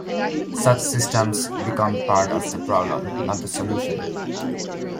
Such systems become part of the problem, not the solution.